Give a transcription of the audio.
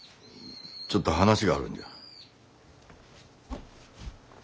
ちょっと話があるんじゃ。